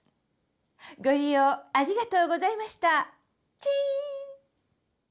ご利用ありがとうございましたチーン！